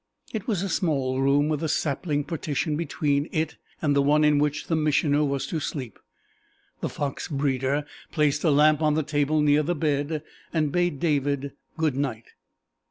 It was a small room, with a sapling partition between it and the one in which the Missioner was to sleep. The fox breeder placed a lamp on the table near the bed, and bade David good night.